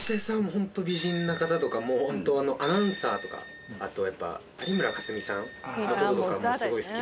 ほんと美人な方とかもうほんとアナウンサーとかあとやっぱ有村架純さんの事とかすごい好き。